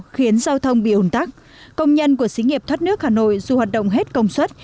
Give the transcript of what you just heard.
khiến giao thông bị ủn tắc công nhân của xí nghiệp thoát nước hà nội dù hoạt động hết công suất